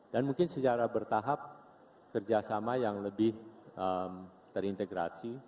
dan mungkin secara bertahap kerjasama yang lebih terintegrasi